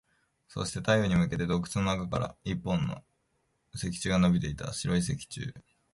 そして、太陽に向けて洞窟の中から一本の石柱が伸びていた。白い石柱。